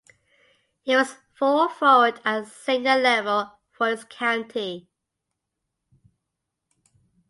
He was full forward at senior level for his county.